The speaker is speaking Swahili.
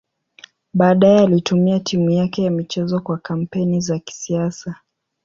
Baadaye alitumia timu yake ya michezo kwa kampeni za kisiasa.